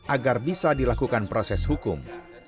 agar bisa dilakukan proses hukum